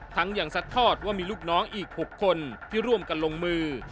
ทั้งยังซัดทอดว่ามีลูกน้องอีก๖คนที่ร่วมกันลงมือ